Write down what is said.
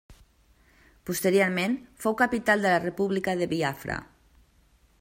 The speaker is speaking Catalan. Posteriorment fou capital de la República de Biafra.